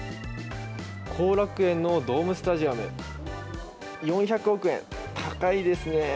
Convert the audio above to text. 後楽園のドームスタジアム、４００億円、高いですね。